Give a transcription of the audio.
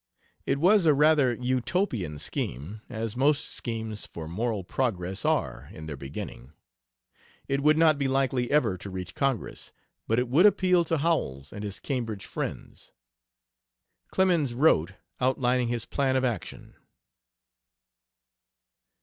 It was a rather utopian scheme, as most schemes for moral progress are, in their beginning. It would not be likely ever to reach Congress, but it would appeal to Howells and his Cambridge friends. Clemens wrote, outlining his plan of action.